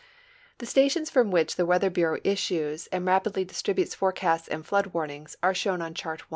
The stations from which the Weather Bureau issues and rap idly distributes forecasts and flood warnings are shown on Chart I.